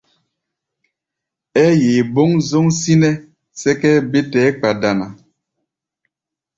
Ɛ́ɛ́ yeé boŋzoŋ sínɛ́ sɛ́kʼɛ́ɛ́ bé tɛɛ́ kpa dana.